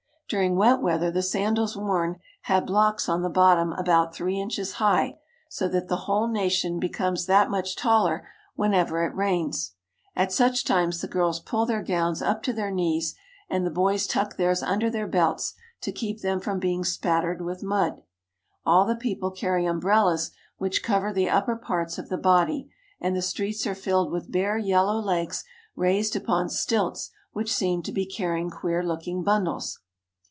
During wet weather the sandals worn have blocks on the bottom about three inches high, so that the whole nation becomes that much taller whenever it rains. At such times the girls pull their gowns up to their knees, and the boys tuck theirs under their belts, to keep them from being spattered with mud. All the people carry umbrellas which cover the upper parts of the body, and the streets are filled with bare yellow legs raised upon stilts which seem to be carrying queer looking bundles.